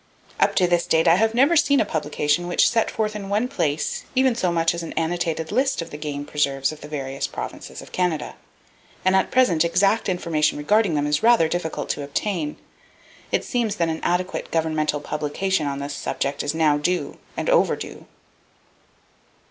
Up to this date I never have seen a publication which set forth in one place even so much as an annotated list of the game preserves of the various provinces of Canada, and at present exact information regarding them is rather difficult to obtain. It seems that an adequate governmental publication on this subject is now due, and overdue.